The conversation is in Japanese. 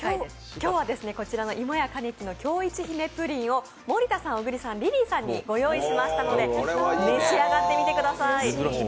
今日はこちらの、いも家ｋａｎｅｋｉの京いち姫ぷりんを、森田さん、小栗さん、リリーさんにご用意しましたので、召し上がってみてください。